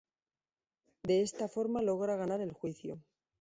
De esta forma logra ganar el juicio.